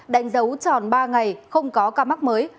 đánh dấu tròn ba ngày không có ca mắc mới